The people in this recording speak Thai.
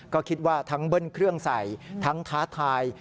ก็คิดว่าทั้งเบิ้ลเครื่องใส่ทั้งท้าทาย